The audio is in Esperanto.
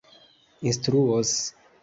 instruos